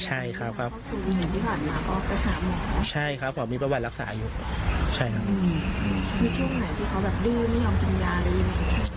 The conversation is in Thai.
ใช่ครับใช่ครับเขามีประวัติรักษาอยู่ใช่ครับอืมมีช่วงไหนที่เขาแบบดื้อไม่ยอมทำยาอะไรยังไง